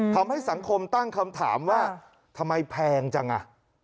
ทำให้สังคมตั้งคำถามว่าทำไมแพงจังอ่ะ